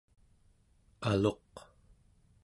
aluq